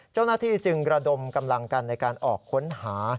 เจ้าหน้าที่จึงระดมกำลังกันในการออกค้นหา